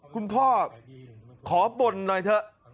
คุณพ่อขอบ่นหน่อยเถอะ